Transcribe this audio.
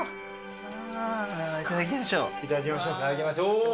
いただきましょう。